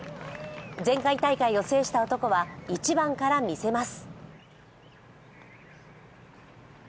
前回大会を制した男は１番から見せます。